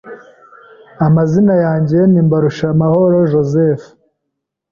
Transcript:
Amazina yanjye ni MBARUSHAMAHORO Joseph